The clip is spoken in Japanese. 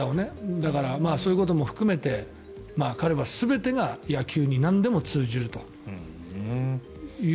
だから、そういうことも含めて彼は全てが野球になんでも通じるという。